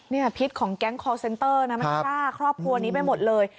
นี่พิษของแก๊งคอร์เซนเตอร์นะมันฆ่าครอบครัวนี้ไปหมดเลย